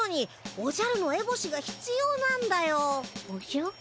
おじゃ！